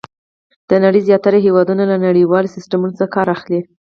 د نړۍ زیاتره هېوادونه له نړیوالو سیسټمونو څخه کار اخلي.